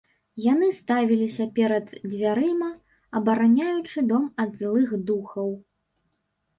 Яны ставіліся перад дзвярыма, абараняючы дом ад злых духаў.